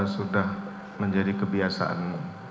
sudah menjadi kebiasaan